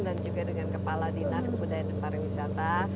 dan juga dengan kepala dinas kebudayaan dan pariwisata